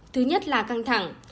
thứ nhất là căng thẳng